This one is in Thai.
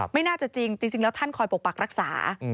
ไม่น่าจะจริงจริงแล้วท่านคอยปกปักรักษา